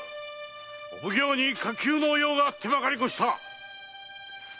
お奉行に火急の用があってまかりこした。